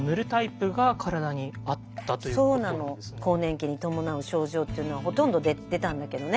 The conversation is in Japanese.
更年期に伴う症状っていうのはほとんど出たんだけどね。